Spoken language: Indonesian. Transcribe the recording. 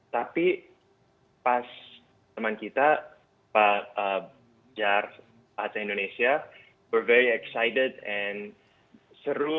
tapi pas teman kita bejar bahasa indonesia kita sangat teruja dan seru